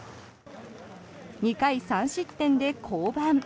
２回３失点で降板。